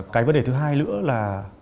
cái vấn đề thứ hai nữa là